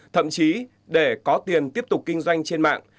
thậm chí để có tiền tiếp tục kinh doanh trên mạng